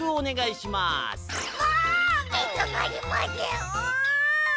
もうみつかりません。